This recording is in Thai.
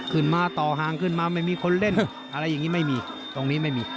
ขึ้นมาต่อห่างขึ้นมาไม่มีคนเล่นอะไรอย่างนี้ไม่มีตรงนี้ไม่มี